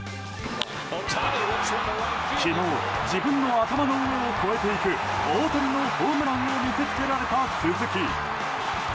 昨日、自分の頭の上を越えていく大谷のホームランを見せつけられた鈴木。